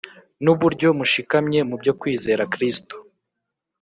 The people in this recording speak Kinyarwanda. n’uburyo mushikamye mu byo kwizera Kristo